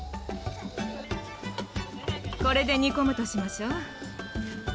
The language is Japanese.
これで煮込むとしましょ。